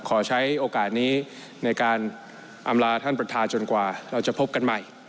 ขอใช้โอกาสนี้ในการอำลาท่านประธานจนกว่าเราจะพบกันใหม่